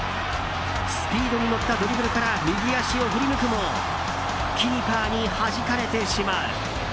スピードに乗ったドリブルから右足を振り抜くもキーパーにはじかれてしまう。